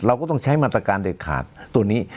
จะใช้มัตการเด็ดขาดตัวนี้